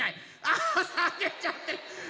あさげちゃってる！